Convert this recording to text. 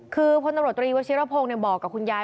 คือพลตำรวจตรีวชิรพงศ์บอกกับคุณยาย